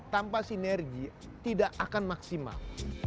tanpa sinergi tidak akan maksimal